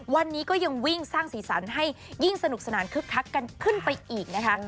วันนี้ก็ยังวิ่งสร้างสีสันให้ยิ่งสนุกสนานคึกคักกันขึ้นไปอีกนะคะ